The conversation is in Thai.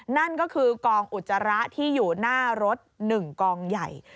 นั่นก็คือกองอุจจาระที่อยู่หน้ารถ๑กองใหญ่